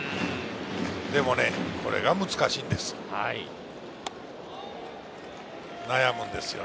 でもね、これが難しいんですよ。